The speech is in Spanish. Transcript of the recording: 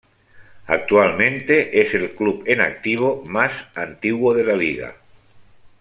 Actualmente es el club en activo más antiguo de la liga.